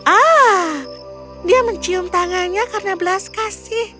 ah dia mencium tangannya karena belas kasih